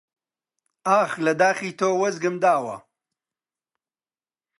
ئاخ لە داخی تۆ وەزگم داوە!